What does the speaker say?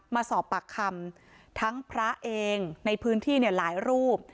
มาสอบปากคำทั้งพระเองในพื้นที่เนี่ยหลายรูป